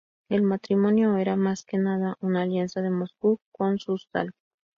El matrimonio era más que nada una alianza de Moscú con Súzdal.